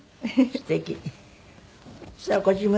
すてき。